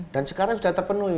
dan sekarang sudah terpenuhi